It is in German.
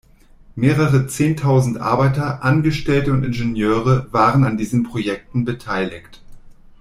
Mehrere Zehntausend Arbeiter, Angestellte und Ingenieure waren an diesen Projekten beteiligt.